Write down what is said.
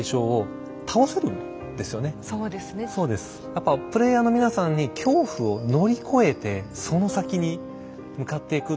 やっぱプレイヤーの皆さんに恐怖を乗り越えてその先に向かっていく。